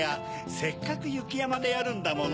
せっかくゆきやまでやるんだもの